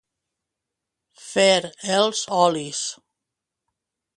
Fer els olis.